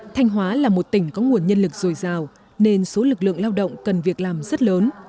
thanh hóa là một tỉnh có nguồn nhân lực dồi dào nên số lực lượng lao động cần việc làm rất lớn